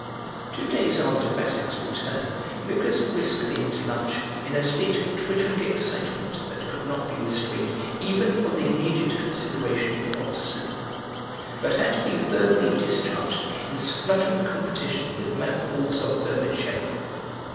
Two days after Basset's return, Lucas frisked in to lunch in a state of twittering excitement that could not be restrained even for the immediate consideration of soup, but had to be verbally discharged in spluttering competition with mouthfuls of vermicelli.